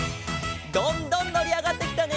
どんどんのりあがってきたね！